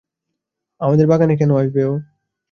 আমাদের বাগানে কেন আসবে ও?